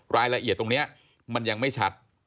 รายละเอียดตรงนี้มันยังไม่ชัด